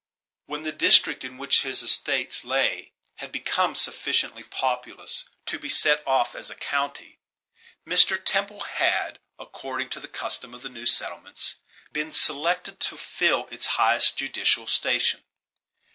When the district in which his estates lay had become sufficiently populous to be set off as a county, Mr. Temple had, according to the custom of the new settlements, been selected to fill its highest judicial station.